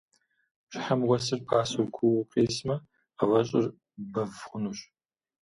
Бжьыхьэм уэсыр пасэу, куууэ къесмэ, гъавэщӏэр бэв хъунущ.